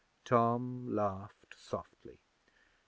Tom laughed softly.